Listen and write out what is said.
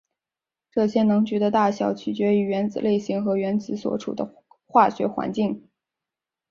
这些能级的大小取决于原子类型和原子所处的化学环境。